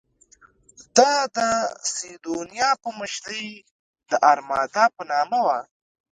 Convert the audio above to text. دا د سیدونیا په مشرۍ د ارمادا په نامه وه.